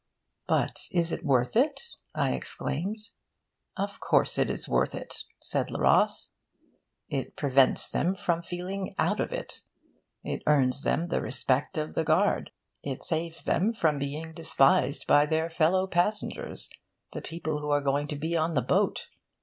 'But is it worth it?' I exclaimed. 'Of course it is worth it,' said Le Ros. 'It prevents them from feeling "out of it." It earns them the respect of the guard. It saves them from being despised by their fellow passengers the people who are going to be on the boat.